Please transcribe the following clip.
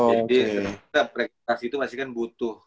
jadi kita itu masih kan butuh